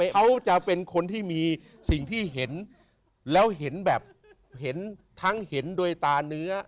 เขาจะเป็นคนที่มีสิ่งที่เห็นแล้วเห็นแบบเห็นทั้งเห็นโดยตาเนื้อ